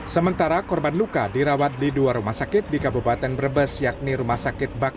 sementara korban luka dirawat di dua rumah sakit di kabupaten brebes yakni rumah sakit bakar